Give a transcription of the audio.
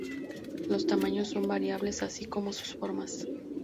Los tamaños son variables, así como sus formas.